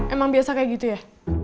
emang biasa kayak gitu ya